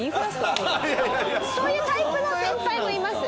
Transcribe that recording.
そういうタイプの先輩もいます。